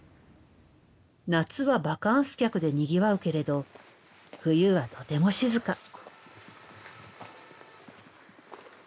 夏はバカンス客でにぎわうけれど冬はとても静か。